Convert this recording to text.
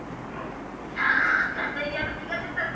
さあがぜんやる気が出たぞ！